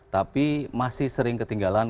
tapi masih sering ketinggalan